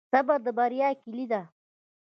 صبر د بریا کیلي ده.